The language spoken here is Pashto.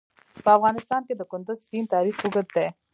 په افغانستان کې د کندز سیند تاریخ اوږد دی.